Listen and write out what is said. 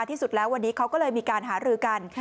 ที่สุดแล้ววันนี้เขาก็เลยมีการหารือกัน